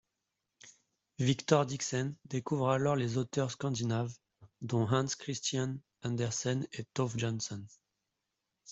Victor Dixen découvre alors les auteurs scandinaves, dont Hans Christian Andersen et Tove Jansson.